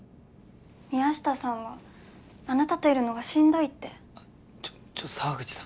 宮下さんはあなたといるのがしんどいってあっちょっ沢口さん